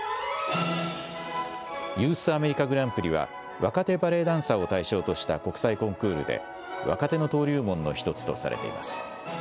ユース・アメリカ・グランプリは、若手バレエダンサーを対象とした国際コンクールで、若手の登竜門の一つとされています。